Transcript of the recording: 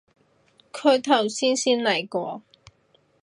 佢頭先嚟過